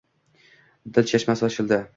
Dil chashmasi ochildi.